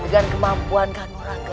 dengan kemampuan kanur agar